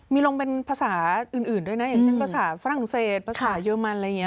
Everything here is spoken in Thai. มีลงเป็นภาษาอื่นด้วยนะอย่างเช่นภาษาฝรั่งเศสภาษาเยอรมันอะไรอย่างนี้